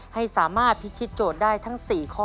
ให้สามารถพิชิตโจทย์ได้ทั้ง๔ข้อ